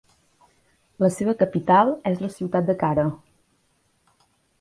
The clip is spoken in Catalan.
La seva capital és la ciutat de Kara.